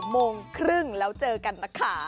โมงครึ่งแล้วเจอกันนะคะ